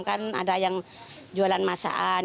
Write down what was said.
kan ada yang jualan masakan